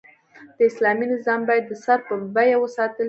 د اسلامي نظام بايد د سر په بيه وساتل شي